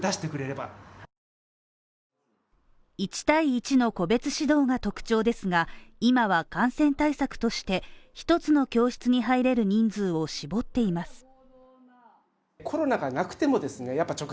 １対１の個別指導が特徴ですが、今は感染対策として一つの教室に入れる人数を絞っています。